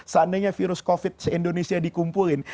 seandainya virus covid se indonesia dikumpulin